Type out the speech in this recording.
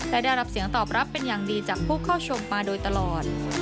และได้รับเสียงตอบรับเป็นอย่างดีจากผู้เข้าชมมาโดยตลอด